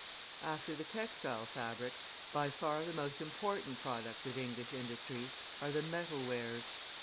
After the textile fabrics, by far the most important products of English industry are the metal wares.